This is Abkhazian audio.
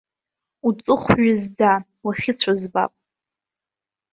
Уҵыхә ҩызӡа, уахьыцәо збап!